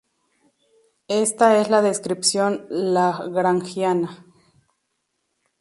Ésta es la descripción lagrangiana.